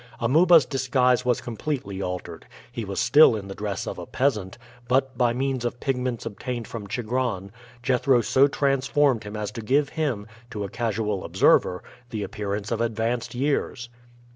Amuba's disguise was completely altered. He was still in the dress of a peasant, but, by means of pigments obtained from Chigron, Jethro so transformed him as to give him, to a casual observer, the appearance of advanced years.